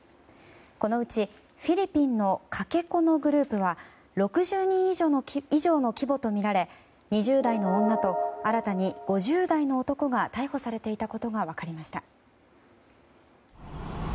このうちフィリピンのかけ子のグループは６０人以上の規模とみられ２０代の女と新たに５０代の男が逮捕されていたことが分かりました。